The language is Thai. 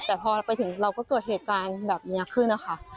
แต่พอเราไปถึงเราก็เกิดเหตุการณ์แบบนี้ขึ้นนะคะ